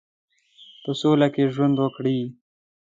په سوله کې ژوند وکړي.